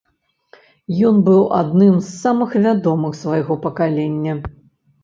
Ён быў адным з самых вядомых свайго пакалення.